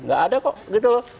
gak ada kok gitu loh